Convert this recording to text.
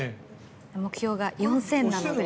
目標が４０００なので。